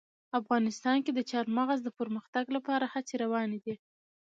افغانستان کې د چار مغز د پرمختګ لپاره هڅې روانې دي.